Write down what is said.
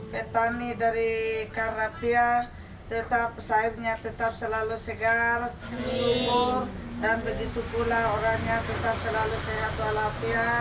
petani dari kharrafiah sayurnya tetap selalu segar sumur dan begitu pula hurannya tetap selalu sehat walafiyar